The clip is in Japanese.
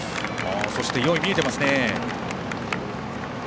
そして４位が見えていますね。